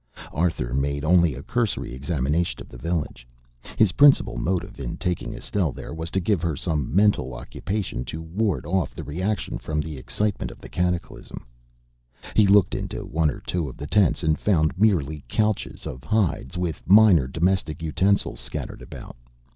Arthur made only a cursory examination of the village. His principal motive in taking Estelle there was to give her some mental occupation to ward off the reaction from the excitement of the cataclysm. He looked into one or two of the tents and found merely couches of hides, with minor domestic utensils scattered about.